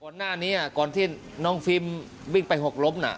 ก่อนหน้านี้ก่อนที่น้องฟิล์มวิ่งไปหกล้มน่ะ